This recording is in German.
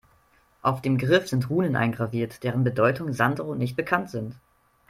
Auf dem Griff sind Runen eingraviert, deren Bedeutung Sandro nicht bekannt sind.